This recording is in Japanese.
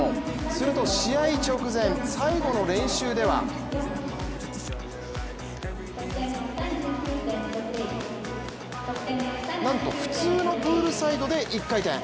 すると試合直前最後の練習ではなんと普通のプールサイドで１回転。